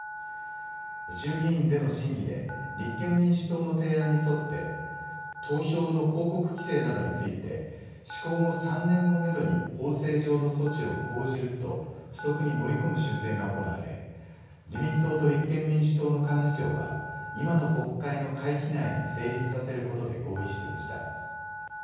衆議院での審議で、立憲民主党の提案に沿って、投票の広告規制などについて、施行後３年をメドに法制上の措置を講じると付則に盛り込む修正が行われ、自民党と立憲民主党の幹事長は、今の国会の会期内に成立させることで合意していました。